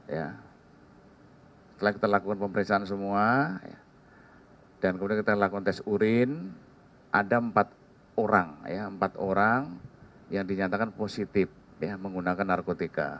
setelah kita lakukan pemeriksaan semua dan kemudian kita lakukan tes urin ada empat orang empat orang yang dinyatakan positif menggunakan narkotika